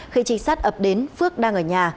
khi trinh sát ập đến phước đang ở nhà